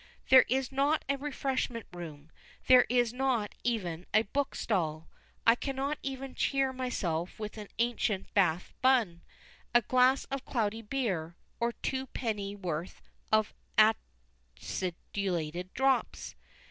There is not a refreshment room, there is not even a book stall. I cannot even cheer myself with an ancient bath bun, a glass of cloudy beer, or two penny worth of acidulated drops.